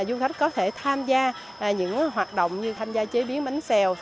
du khách có thể tham gia những hoạt động như tham gia chế biến bánh xèo